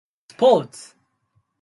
Ports.